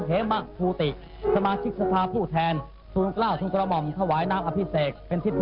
จากนั้นเวลา๑๑นาฬิกาเศรษฐ์พระธินั่งไพรศาลพักศิลป์